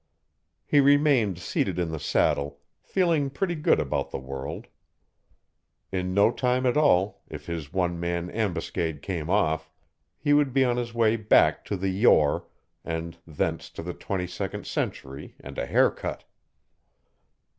He remained seated in the saddle, feeling pretty good about the world. In no time at all, if his one man ambuscade came off, he would be on his way back to the Yore, and thence to the twenty second century and a haircut.